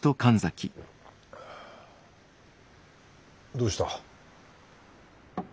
どうした？